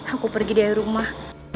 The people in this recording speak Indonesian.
aku pergi dari rumah